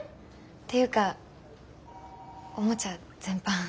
っていうかおもちゃ全般